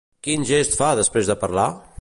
Quin gest fa després de parlar?